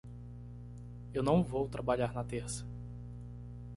Eu não vou trabalhar na terça.